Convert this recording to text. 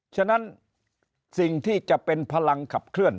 ฉะนั้นสิ่งที่จะเป็นพลังขับเคลื่อน